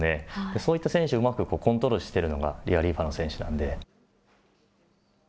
そういった選手をうまくコントロールしてるのが、リアリーファノ選手なんで。